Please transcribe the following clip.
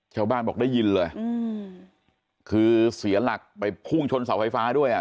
ชาวบ้านบอกได้ยินเลยอืมคือเสียหลักไปพุ่งชนเสาไฟฟ้าด้วยอ่ะ